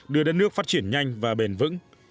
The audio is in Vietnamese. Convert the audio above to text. đưa đất nước phát triển nhanh và bền vững